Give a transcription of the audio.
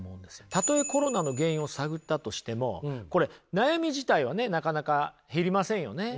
たとえコロナの原因を探ったとしてもこれ悩み自体はねなかなか減りませんよね。